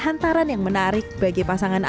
hantaran yang menarik bagi pasangan